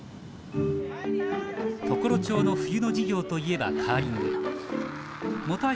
常呂町の冬の授業といえばカーリング。